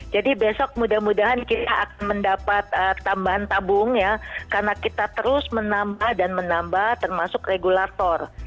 jadi besok mudah mudahan kita akan mendapat tambahan tabung ya karena kita terus menambah dan menambah termasuk regulator